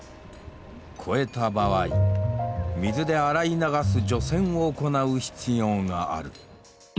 超えた場合水で洗い流す除染を行う必要がある。